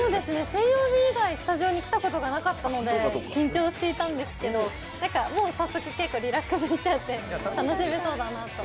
水曜日以外、スタジオに来たことなかったので緊張していたんですけど、もう早速結構リラックスしちゃって楽しめそうだなと。